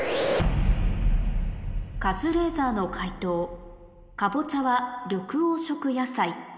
カズレーザーの解答「カボチャは緑黄色野菜」